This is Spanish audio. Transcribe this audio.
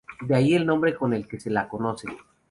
De ahí el nombre con que se la conoce.